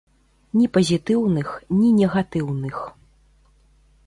Ні пазітыўных, ні негатыўных.